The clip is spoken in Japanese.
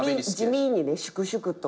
地味にね粛々と。